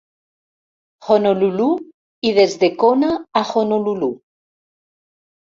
Honolulu i des de Kona a Honolulu.